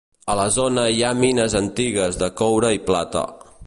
A la zona hi ha mines antigues de coure i plata.